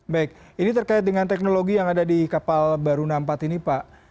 baik ini terkait dengan teknologi yang ada di kapal baru nampak ini pak